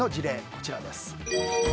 こちらです。